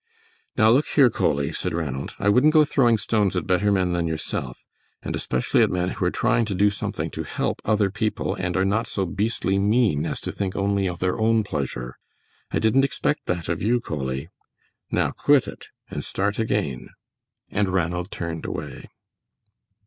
"Now look here, Coley," said Ranald, "I wouldn't go throwing stones at better men than yourself, and especially at men who are trying to do something to help other people and are not so beastly mean as to think only of their own pleasure. I didn't expect that of you, Coley. Now quit it and start again," and Ranald turned away.